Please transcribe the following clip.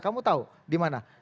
kamu tahu di mana